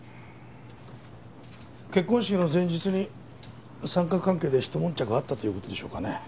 結婚式の前日に三角関係で一悶着あったという事でしょうかね？